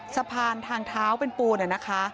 ทางเท้าเป็นปูนนะคะ